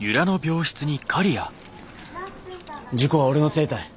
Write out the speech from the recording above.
事故は俺のせいたい。